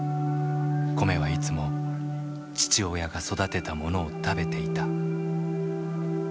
米はいつも父親が育てたものを食べていた。